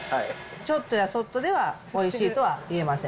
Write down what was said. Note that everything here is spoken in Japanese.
ちょっとやそっとでは、おいしいとは言えません。